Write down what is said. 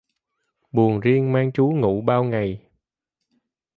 Buồn riêng mang trú ngụ bao ngày